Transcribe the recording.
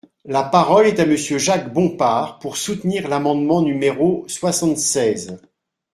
La parole est à Monsieur Jacques Bompard, pour soutenir l’amendement numéro soixante-seize.